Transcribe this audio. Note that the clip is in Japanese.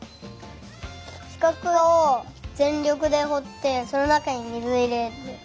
しかくをぜんりょくでほってそのなかに水をいれる。